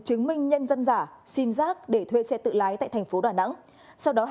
chứng minh nhân dân giả sim giác để thuê xe tự lái tại thành phố đà nẵng sau đó